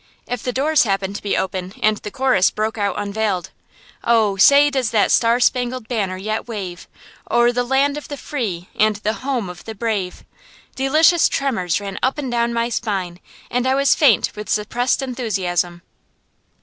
If the doors happened to open, and the chorus broke out unveiled "O! say, does that Star Spangled Banner yet wave O'er the land of the free, and the home of the brave?" delicious tremors ran up and down my spine, and I was faint with suppressed enthusiasm.